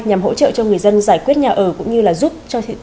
nhằm hỗ trợ cho người dân giải quyết nhà ở cũng như là giúp cho thị trường